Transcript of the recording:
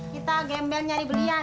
kita gembel nyari belian